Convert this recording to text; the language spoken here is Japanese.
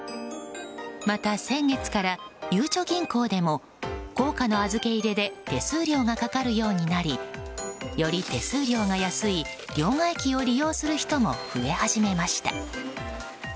また、先月からゆうちょ銀行でも硬貨の預け入れで手数料がかかるようになりより手数料が安い両替機を利用する人も増え始めました。